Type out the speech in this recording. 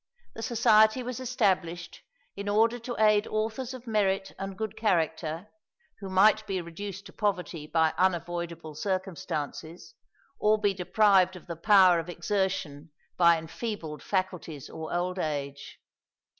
The society was established in order to aid authors of merit and good character who might be reduced to poverty by unavoidable circumstances, or be deprived of the power of exertion by enfeebled faculties or old age.